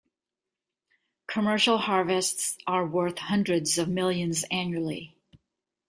Commercial harvests are worth hundreds of millions annually.